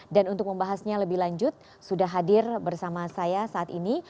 untuk membahasnya lebih lanjut sudah hadir bersama saya saat ini